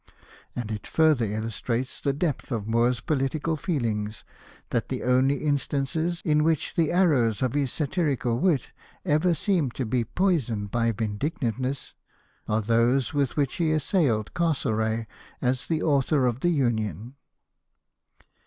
And it further illustrates the depth of Moore's political feelings, that the only instances in which the arrow^s of his satirical wit ever seem to be poisoned by vindictiveness are those with which he assailed Castlereagh as the author of the Union.